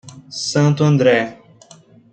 Santo André